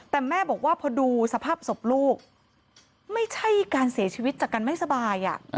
แต่แม่บอกว่าพอดูสภาพศพลูกไม่ใช่การเสียชีวิตจากการไม่สบาย